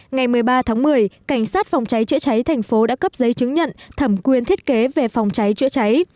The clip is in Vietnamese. ngày một mươi ba tháng một mươi cảnh sát phòng cháy chữa cháy thành phố đã cấp giấy chứng nhận thẩm quyền thiết kế về phòng cháy chữa cháy